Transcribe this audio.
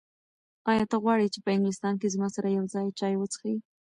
ایا ته غواړې چې په انګلستان کې زما سره یو ځای چای وڅښې؟